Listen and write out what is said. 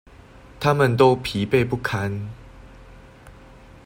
他們都疲憊不堪